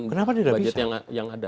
budget yang ada